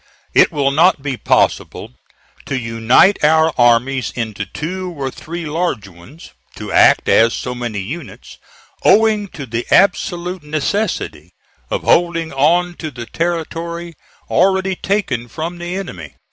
"It will not be possible to unite our armies into two or three large ones to act as so many units, owing to the absolute necessity of holding on to the territory already taken from the enemy.